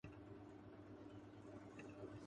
اور بھارتی بھی اسی موقع کے منتظر ہوتے ہیں۔